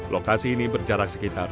lokasi ini berjarak sekitar tujuh puluh km